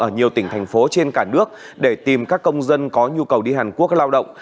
ở nhiều tỉnh thành phố trên cả nước để tìm các công dân có nhu cầu đi hàn quốc lao động